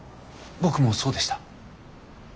僕もそうでした。